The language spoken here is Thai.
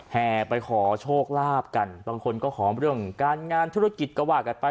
แห่ไปขอโชคลาภกันบางคนก็ขอเรื่องการงานธุรกิจก็ว่ากันไป